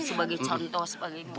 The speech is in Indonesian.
sebagai contoh sebagai